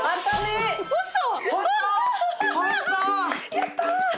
やった！